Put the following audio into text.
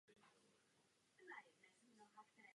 Je majitelem módní značky Pretty Green.